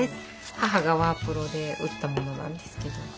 母がワープロで打ったものなんですけど。